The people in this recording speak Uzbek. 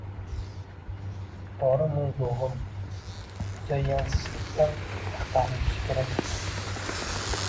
Borimu yo’g’im muzayyansizlikdan axtarilishi kerak edi.